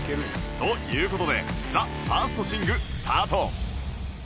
という事で ＴＨＥＦＩＲＳＴＳＩＮＧ スタート！